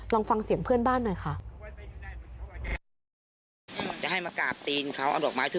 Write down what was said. ลองฟังเสียงเพื่อนบ้านหน่อยค่ะ